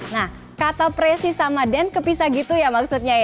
nah kata presi sama den kepisah gitu ya maksudnya ya